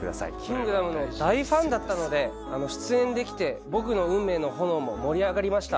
『キングダム』の大ファンだったので出演できて僕の運命の炎も盛り上がりました。